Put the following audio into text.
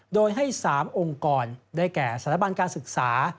โดยให้๓องค์กรได้แก่สถาบันการศึกษา